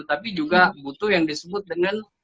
tapi juga butuh yang disebut dengan